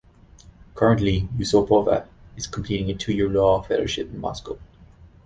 Currently, Yusupova is completing a two-year law fellowship in Moscow.